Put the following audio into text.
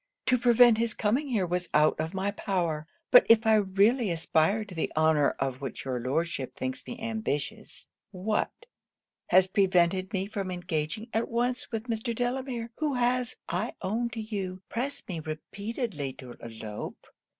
To prevent his coming here was out of my power; but if I really aspired to the honour of which your Lordship thinks me ambitious, what has prevented me from engaging at once with Mr. Delamere? who has, I own to you, pressed me repeatedly to elope.